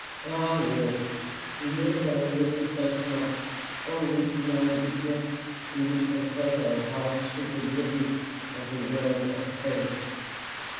Ah Lord! we know thou leavest us not, only in our weakness we would comfort our hearts with the music of the words of faith.